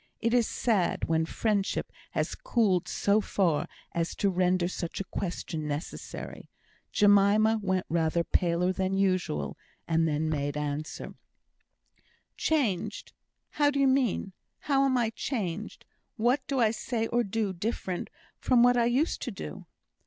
It is sad when friendship has cooled so far as to render such a question necessary. Jemima went rather paler than usual, and then made answer: "Changed! How do you mean? How am I changed? What do I say or do different from what I used to do?"